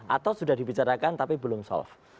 atau sudah dibicarakan tapi belum soft